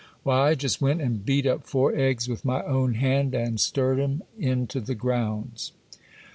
Why, I just went and beat up four eggs with my own hand, and stirred 'em into the grounds.